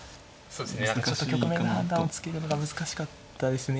そうですね局面の判断をつけるのが難しかったですね。